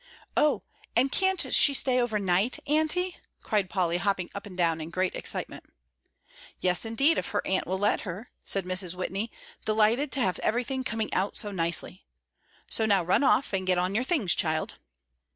"Oh, and can't she stay over night, Aunty?" cried Polly, hopping up and down in great excitement. "Yes, indeed, if her Aunt will let her," said Mrs. Whitney, delighted to have everything coming out so nicely; "so now run off and get on your things, child."